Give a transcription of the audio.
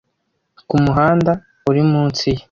kumuhanda uri munsi ye.